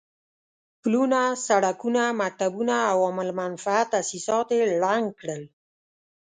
پلونه، سړکونه، مکتبونه او عام المنفعه تاسيسات يې ړنګ کړل.